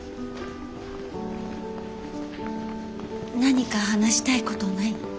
何か話したいことない？